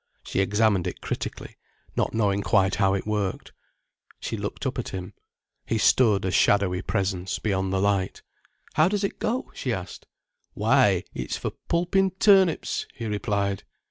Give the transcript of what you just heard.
She examined it critically, not knowing quite how it worked. She looked up at him. He stood a shadowy presence beyond the light. "How does it go?" she asked. "Why, it's for pulpin' turnips," he replied.